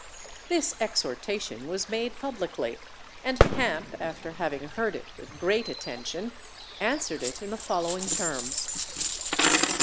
This exhortation was made publicly, and Hamp after having heard it with great attention, answered it in the following terms.